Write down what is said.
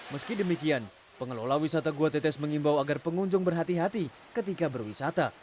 meski demikian pengelola wisata gua tetes mengimbau agar pengunjung berhati hati ketika berwisata